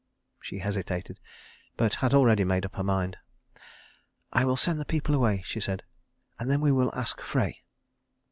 She hesitated, but had already made up her mind. "I will send the people away," she said, "and then we will ask Frey."